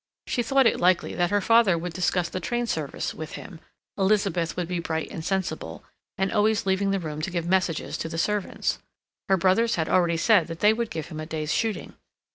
She thought it likely that her father would discuss the train service with him; Elizabeth would be bright and sensible, and always leaving the room to give messages to the servants. Her brothers had already said that they would give him a day's shooting.